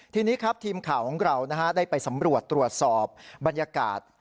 ทีนี้ครับทีมข่าวของเราได้ไปสำรวจตรวจสอบบรรยากาศ